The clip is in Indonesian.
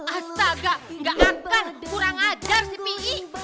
astaga gak akan kurang ajar si pi'i